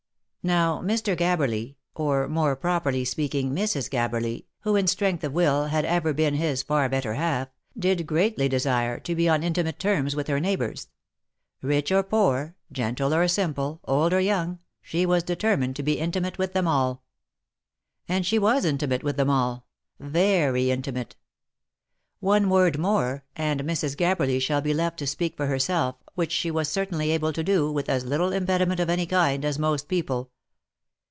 Now Mr. Gabberly, or more properly speaking, Mrs. Gabberly, who in strength of will had ever been his far better half, did greatly desire to be on intimate terms with her neighbours. Rich or poor, gentle or simple, old or young, she was determined to be intimate with them all. And she was intimate with them all, very intimate. One word more, and Mrs. Gabberly shall be left to speak for her self, which she was certainly able to do, with as little impediment of any kind, as most people.